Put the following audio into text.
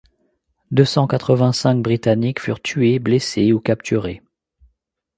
Deux cent quatre-vingt-cinq Britanniques furent tués, blessés ou capturés.